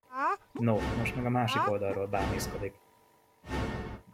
No, most meg a másik oldalról bámészkodik!